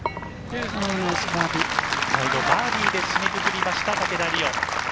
最後バーディーで締めくくりました、竹田麗央。